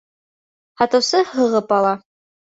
Һатыусы һығып ала: